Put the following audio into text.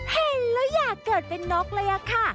เห็นแล้วอยากเกิดเป็นนกเลยอะค่ะ